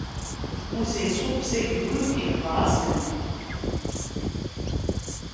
Musa iṣubb s agdud, ihdeṛ-asen.